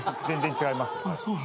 全然違います。